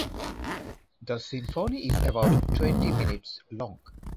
The symphony is about twenty minutes long.